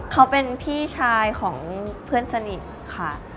เขาเป็นพี่ชายของเพื่อนสนิทค่ะ